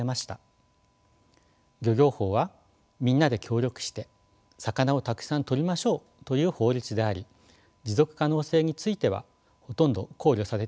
漁業法はみんなで協力して魚をたくさんとりましょうという法律であり持続可能性についてはほとんど考慮されていませんでした。